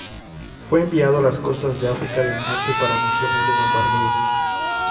Fue enviado a las costas de África del Norte para misiones de bombardeo.